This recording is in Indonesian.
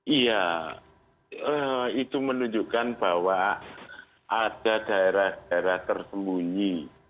iya itu menunjukkan bahwa ada daerah daerah tersembunyi